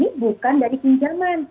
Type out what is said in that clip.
tapi pemasukan dari pinjaman